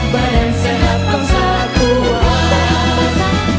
badan sehat bangsa kuat